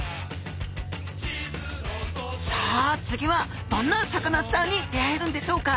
さあ次はどんなサカナスターに出会えるんでしょうか？